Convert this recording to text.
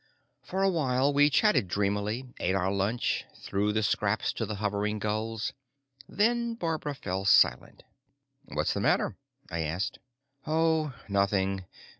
For a while we chatted dreamily, ate our lunch, threw the scraps to the hovering gulls. Then Barbara fell silent. "What's the matter?" I asked. "Oh, nothing.